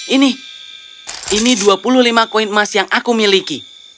ini ini dua puluh lima koin emas yang aku miliki